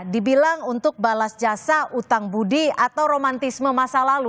dibilang untuk balas jasa utang budi atau romantisme masa lalu